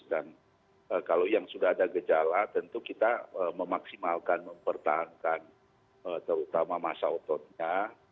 dan kalau yang sudah ada gejala tentu kita memaksimalkan mempertahankan terutama masa ototnya